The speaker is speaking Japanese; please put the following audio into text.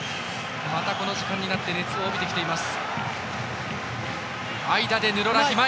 またこの時間になって熱を帯びてきています。